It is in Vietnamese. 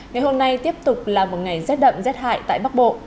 ngày hôm nay tiếp tục là một ngày rét đậm rét hại tại bắc bộ